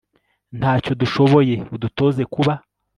ntacyo dushoboye; udutoze kuba